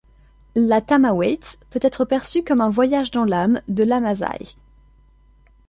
La Tamawayt peut être perçue comme un voyage dans l’âme de l’Amazigh.